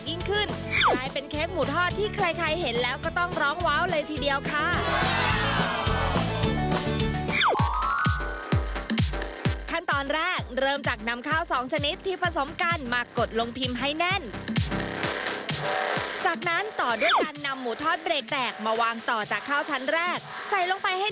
ได้ถึง๒หมูเลยข้างบนนี่นี่คือหมูเค็มแต่ข้างล่านี่หมูเบรกแตกหมูทอดอยู่ตรงนี้